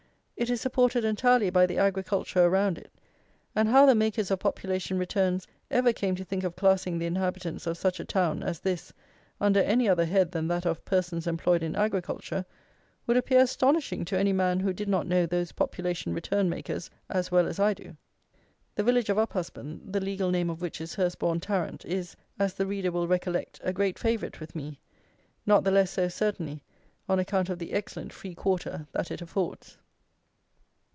It is supported entirely by the agriculture around it; and how the makers of population returns ever came to think of classing the inhabitants of such a town as this under any other head than that of "persons employed in agriculture," would appear astonishing to any man who did not know those population return makers as well as I do. The village of Uphusband, the legal name of which is Hurstbourn Tarrant, is, as the reader will recollect, a great favourite with me, not the less so certainly on account of the excellent free quarter that it affords.